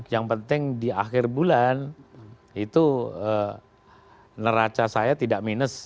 yang penting di akhir bulan itu neraca saya tidak minus